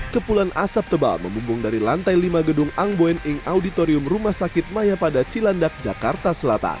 kepulan asap tebal mengumbung dari lantai lima gedung angboen inc auditorium rumah sakit mayapada cilandak jakarta selatan